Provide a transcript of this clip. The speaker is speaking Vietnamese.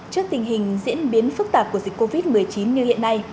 trước tình hình diễn biến phức tạp của dịch covid một mươi chín như hiện nay